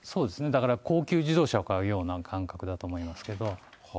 だから高級自動車を買うような感覚だと思いますけど。